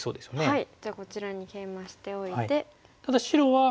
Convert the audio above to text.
はい。